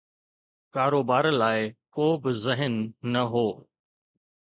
ڪاروبار لاءِ ڪو به ذهن نه هو.